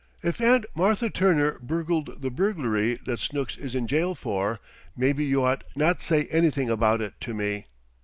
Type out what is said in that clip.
If Aunt Martha Turner burgled the burglary that Snooks is in jail for, maybe you ought not say anything about it to me.